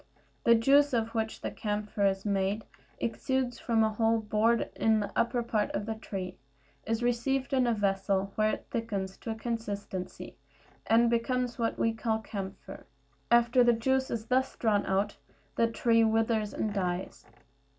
The juice of which the camphire is made exudes from a hole bored in the upper part of the tree, is received in a vessel, where it thickens to a consistency, and becomes what we call camphire. After the juice is thus drawn out the tree withers and dies.